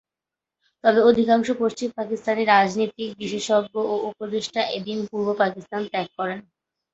তবে অধিকাংশ পশ্চিম পাকিস্তানি রাজনীতিক, বিশেষজ্ঞ ও উপদেষ্টা এদিন পূর্ব পাকিস্তান ত্যাগ করেন।